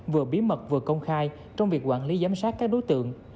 vừa bí mật vừa công khai trong việc quản lý giám sát các đối tượng